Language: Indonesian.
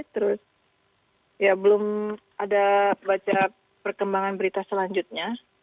terus ya belum ada baca perkembangan berita selanjutnya